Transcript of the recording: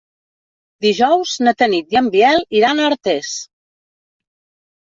Dijous na Tanit i en Biel iran a Artés.